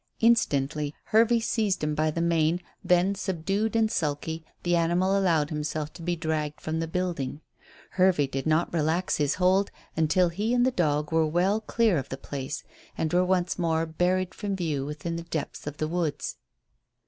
Instantly, Hervey seized him by the mane, then, subdued and sulky, the animal allowed himself to be dragged from the building. Hervey did not relax his hold until he and the dog were well clear of the place, and were once more buried from view within the depths of the woods.